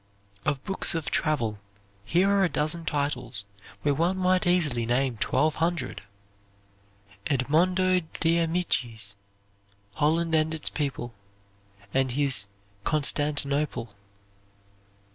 Of Books of Travel, here are a dozen titles, where one might easily name twelve hundred: Edmondo de Amicis, "Holland and Its People," and his "Constantinople."